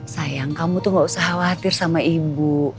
sayang kamu tuh gak usah khawatir sama ibu